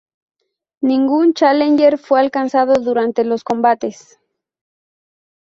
Ningún Challenger fue alcanzado durante los combates.